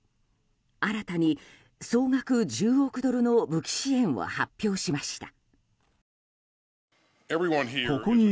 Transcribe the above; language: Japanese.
新たに総額１０億ドルの武器支援を発表しました。